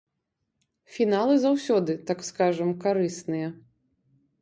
Фіналы заўсёды, так скажам, карысныя.